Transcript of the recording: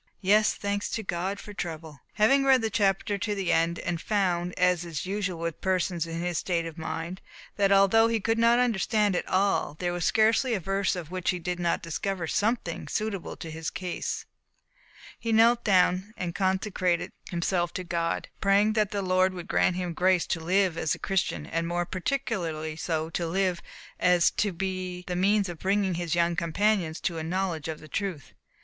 Yes, thanks to God for trouble!" Having read the chapter to the end, and found, as is usual with persons in his state of mind, that although he could not understand it all, there was scarcely a verse in which he did not discover something suitable to his case, he knelt down and consecrated himself to God; praying that the Lord would grant him grace to live as a Christian, and more particularly so to live, as to be the means of bringing his young companions to a knowledge of the truth.